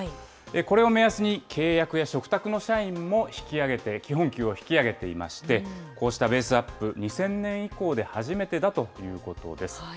これを目安に、契約や嘱託の社員も引き上げて、基本給を引き上げていまして、こうしたベースアップ、２０００年以降で初めてだということです。